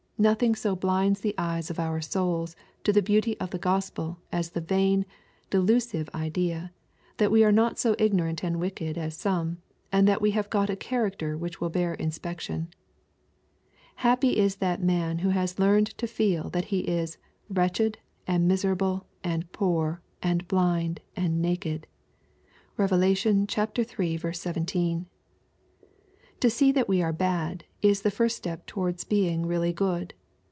Nothing so blinds the eyes of our souls to the beauty of the Gospel as the vain, delusive idea, that we are not so ignorant and wicked as some, and that we have got a character which will bear inspection. Happy is that man who has learned to feel that he is '^ wretched, and miserable, and poor, and blind, and na ked." (Rev. iii. 17.) To see that we are bad, is the first step towards being really good.